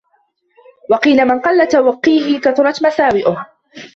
وَقِيلَ مَنْ قَلَّ تَوَقِّيهِ كَثُرَتْ مَسَاوِئُهُ